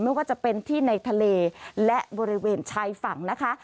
ไม่ว่าจะเป็นที่ในทะเลและบริเวณชายฝั่งนะคะ